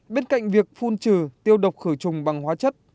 bên cạnh việc phun trừ tiêu độc khử trùng bằng hóa chất